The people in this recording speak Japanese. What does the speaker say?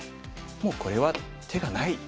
もうこれは手がない。